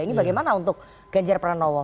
ini bagaimana untuk ganjar pranowo